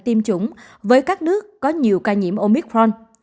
tiêm chủng với các nước có nhiều ca nhiễm omicron